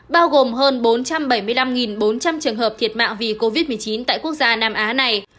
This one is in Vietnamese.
bao gồm hơn bốn trăm bảy mươi năm bốn trăm linh trường hợp thiệt mạng vì covid một mươi chín tại quốc gia nam á này